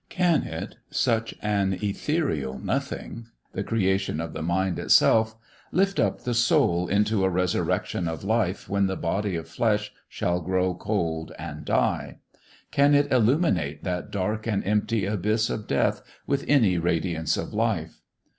Can it such an ethereal nothing, the creation of the mind itself lift up the soul into a resurrection of life when the body of flesh shall grow cold and die? Can it illuminate that black and empty abyss of death with any radiance of life?